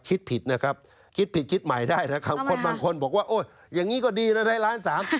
คิดผิดนะครับคิดผิดคิดใหม่ได้นะครับคนบางคนบอกว่าโอ๊ยอย่างนี้ก็ดีนะได้ล้านสาม